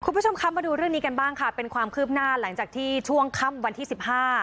คุณผู้ชมคะมาดูเรื่องนี้กันบ้างค่ะเป็นความคืบหน้าหลังจากที่ช่วงค่ำวันที่สิบห้า